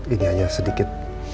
ini hanya sedikit